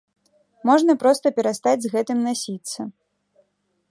Можна проста перастаць з гэтым насіцца.